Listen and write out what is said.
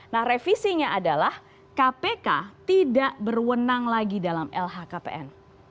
nah revisinya adalah kpk tidak berwenang lagi dalam lhkpn